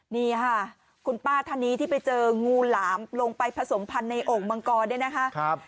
นี่ค่ะคุณป้าท่านนี้ที่ไปเจองูหลามลงไปผสมพันธ์ในโอ่งมังกรเนี่ยนะคะ